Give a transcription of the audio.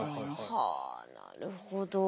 はあなるほど。